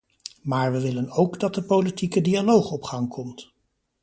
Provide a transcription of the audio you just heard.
Maar we willen ook dat de politieke dialoog op gang komt.